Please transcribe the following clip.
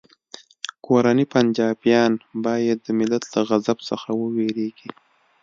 کورني پنجابیان باید د ملت له غضب څخه وویریږي